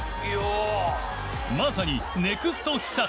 まさにネクスト寿人。